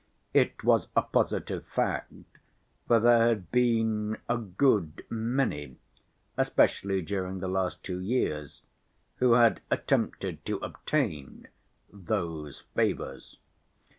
It was a positive fact, for there had been a good many, especially during the last two years, who had attempted to obtain those favors.